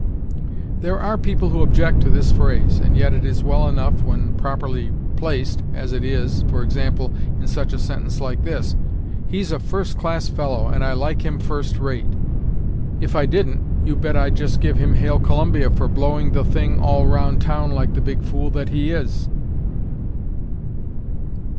There are people who object to this phrase, and yet it is well enough when properly placed, as it is, for example, in such a sentence as this: "He's a 'first class' fellow, and I like him first rate; if I didn't, 'you bet' I'd just give him 'hail Columbia' for 'blowing' the thing all round town like the big fool that he is."